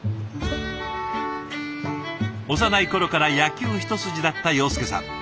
幼い頃から野球一筋だった庸介さん。